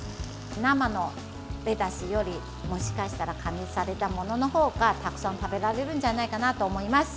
生のレタスより、もしかしたら加熱されたものの方がたくさん食べられるんじゃないかなと思います。